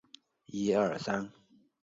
圣夫洛朗人口变化图示